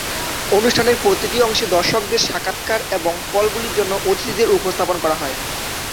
অনুষ্ঠানের প্রতিটি অংশে দর্শকদের সাক্ষাৎকার এবং কলগুলির জন্য অতিথিদের উপস্থাপন করা হয়।